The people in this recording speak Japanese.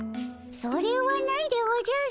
それはないでおじゃる。